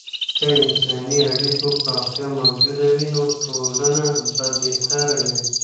که د انساني اړیکو پراختیا موجوده وي، نو ټولنه به بهتره وي.